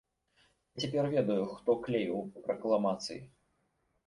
Я цяпер ведаю, хто клеіў пракламацыі!